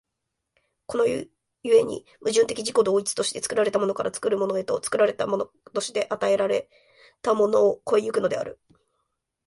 この故に矛盾的自己同一として、作られたものから作るものへと、作られたものとして与えられたものを越え行くのである。